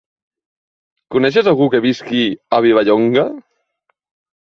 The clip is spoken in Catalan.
Coneixes algú que visqui a Vilallonga?